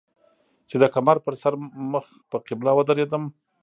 چې د کمر پۀ سر مخ پۀ قبله ودرېدم